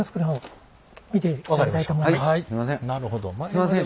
すんません。